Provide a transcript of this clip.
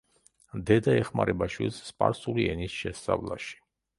დედა ეხმარება შვილს სპარსული ენის შესწავლაში.